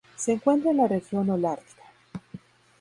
Se encuentra en la región Holártica.